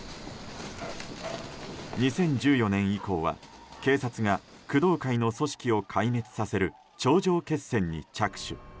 ２０１４年以降は警察が工藤会の組織を壊滅させる頂上決戦に着手。